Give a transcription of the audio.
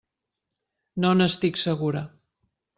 No n'estic segura.